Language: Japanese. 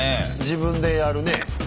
自分でやるねえ。